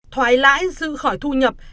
thoái lãi dự khỏi thu nhập